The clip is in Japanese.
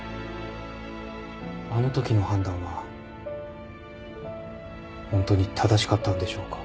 あのときの判断は本当に正しかったんでしょうか？